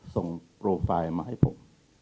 ส่งโปรไฟล์มาให้ผม